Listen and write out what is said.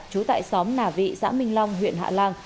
trú tại xóm nà vị xã minh long huyện hạ lan